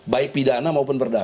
baik pidana maupun perdama